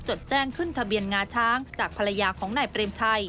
จดแจ้งขึ้นทะเบียนงาช้างจากภรรยาของนายเปรมชัย